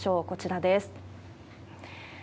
こちらです。